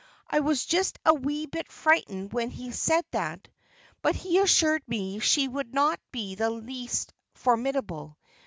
I was just a wee bit frightened when he said that; but he assured me that she would not be the least formidable.